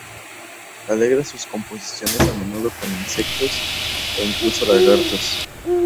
Alegra sus composiciones a menudo con insectos e incluso lagartos.